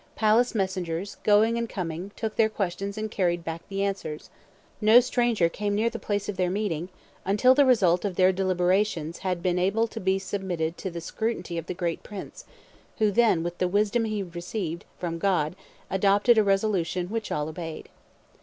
Palace messengers, going and coming, took their questions and carried back the answers. No stranger came near the place of their meeting until the result of their deliberations had been able to be submitted to the scrutiny of the great prince, who then, with the wisdom he had received from God, adopted a resolution which all obeyed."